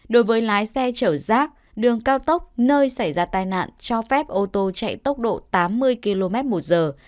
đối với lái xe chở rác đường cao tốc nơi xảy ra tai nạn cho phép ô tô chạy tốc độ tám mươi km một giờ